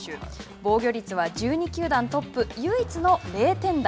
防御率は１２球団トップ唯一の０点台。